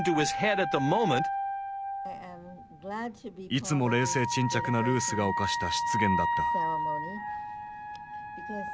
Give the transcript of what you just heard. いつも冷静沈着なルースが犯した失言だった。